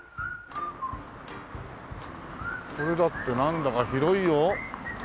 これだってなんだか広いよ。